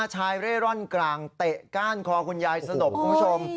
ชายเร่ร่อนกลางเตะก้านคอคุณยายสลบคุณผู้ชม